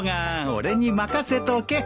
俺に任せとけ。